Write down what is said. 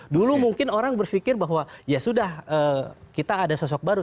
dulu mungkin orang berpikir bahwa ya sudah kita ada sosok baru